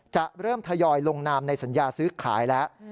จะเริ่มทยอยลงนามในสัญญาซื้อขายแล้ว